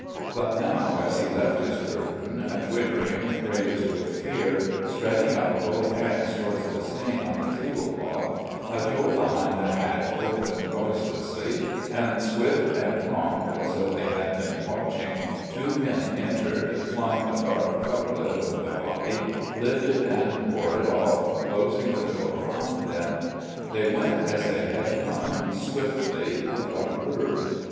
But now as he left his curtain, twittering, crazed with fear, spreading out both hands toward the stain on the tablecloth, a door beside the hatch opened noiselessly, and swift and prompt as though they had been watching, two men entered, flung a dark coverlet over the body, lifted and bore it off, closing the door behind them. They went as they had come, swiftly, without a word.